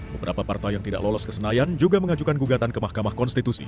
beberapa partai yang tidak lolos ke senayan juga mengajukan gugatan ke mahkamah konstitusi